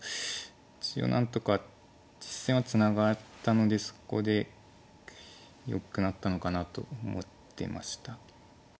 一応何とか実戦はツナがったのでそこでよくなったのかなと思ってました。